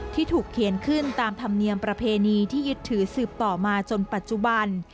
ที่ถูกเขียนขึ้นตามธรรมเนียมประเพณีที่ยึดถือสืบต่อมาจนปัจจุบัน